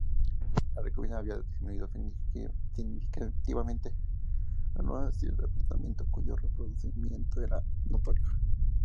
La encomienda había disminuido significativamente, no así el repartimiento, cuyo recrudecimiento era notorio.